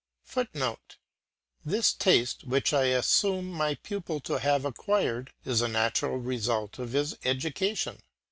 [Footnote: This taste, which I assume my pupil to have acquired, is a natural result of his education.